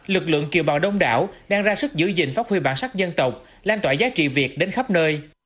lực lượng kiều bào đông đảo đang ra sức giữ gìn phát huy bản sắc dân tộc lan tỏa giá trị việt đến khắp nơi